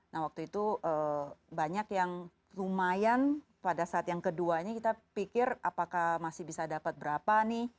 nah waktu itu banyak yang lumayan pada saat yang keduanya kita pikir apakah masih bisa dapat berapa nih